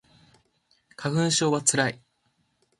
花粉症はつらい